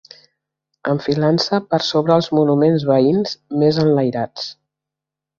Enfilant-se per sobre els monuments veïns més enlairats